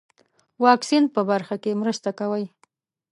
واکسین په برخه کې مرسته کوي.